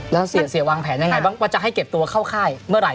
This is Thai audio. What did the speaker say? แล้วเสียวางแผนยังไงบ้างว่าจะให้เก็บตัวเข้าค่ายเมื่อไหร